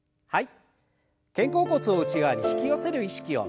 はい。